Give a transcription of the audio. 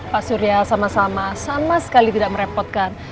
pak surya sama sama sama sekali tidak merepotkan